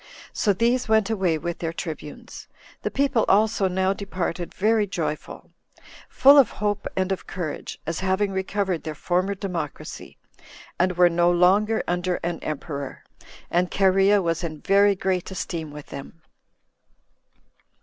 So these went away with their tribunes. The people also now departed very joyful, full of hope and of courage, as having recovered their former democracy, and were no longer under an emperor; and Cherea was in very great esteem with them.